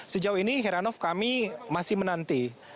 sejauh ini heranov kami masih menanti